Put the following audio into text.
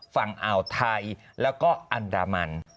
ฝั่งอ่าวไทยแล้วก็อันดามัน